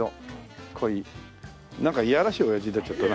なんかいやらしいおやじになっちゃったな。